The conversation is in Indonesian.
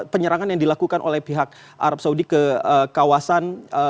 penyerangan yang dilakukan oleh pihak arab saudi ke kawasan